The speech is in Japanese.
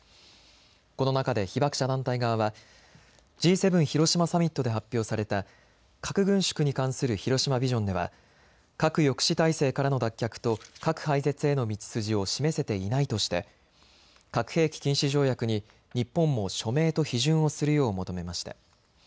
この中で被爆者団体側はＧ７広島サミットで発表された核軍縮に関する広島ビジョンでは核抑止体制からの脱却と核廃絶への道筋を示せていないとして核兵器禁止条約に日本も署名と批准をするよう求めました。